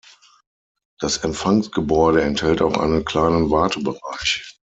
Das Empfangsgebäude enthält auch einen kleinen Wartebereich.